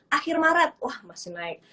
akhir maret wah masih naik